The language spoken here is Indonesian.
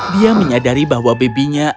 dia menyadari bahwa bebinya